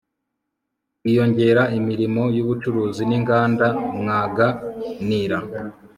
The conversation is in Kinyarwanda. bwinyongera imirimo y ubucuruzi n inganda m w a g a n i r a